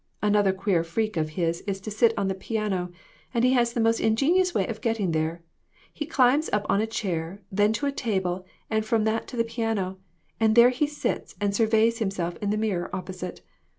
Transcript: Another queer freak of his is to sit on the piano, and he has the most ingenious way of getting there. He climbs upon a chair, then to a table, and from that to the piano, and there he sits and surveys himself in the mirror opposite.